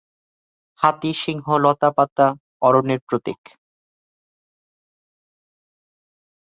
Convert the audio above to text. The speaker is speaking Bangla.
হাতি, সিংহ, লতা-পাতা অরণ্যের প্রতীক।